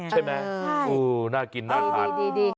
ใช่ไหมน่ากินน่าทานดี